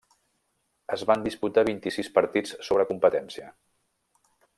Es van disputar vint-i-sis partits sobre competència.